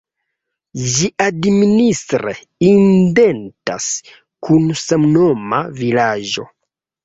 Ĝi administre identas kun samnoma vilaĝo.